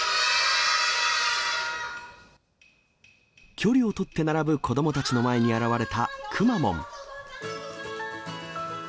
距離を取って並ぶ子どもたちの前に現れた、くまモン。